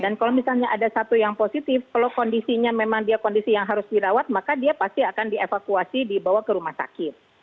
dan kalau misalnya ada satu yang positif kalau kondisinya memang dia kondisi yang harus dirawat maka dia pasti akan dievakuasi dibawa ke rumah sakit